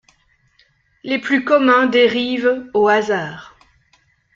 Les plus communs dérivent au hasard.